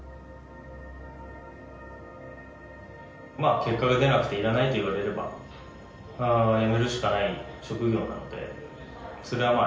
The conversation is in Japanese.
結果が出なくていらないと言われれば辞めるしかない職業なのでそれはまあ